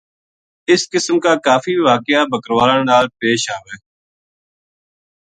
اس قِسم کا کافی واقعہ بکروالاں نال پیش آوے